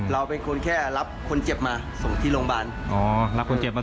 เขาแค่ออกมาซื้อข้าวแล้วก็มาช่วยคนเจ็บ